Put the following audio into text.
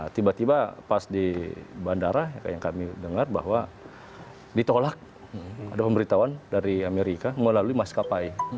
tiba tiba pas di bandara yang kami dengar bahwa ditolak ada pemberitahuan dari amerika melalui maskapai